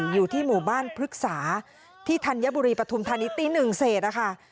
อยู่ที่หมู่บ้านพฤกษาที่ธัญบุรีประธุมธนิษฐ์ตี๑เศสค่ะ